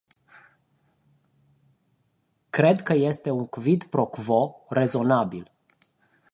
Cred că este un quid pro quo rezonabil.